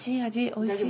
おいしい。